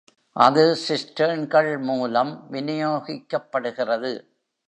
அது சிஸ்டர்ன்கள் மூலம் விநியோகிக்கப்படுகிறது.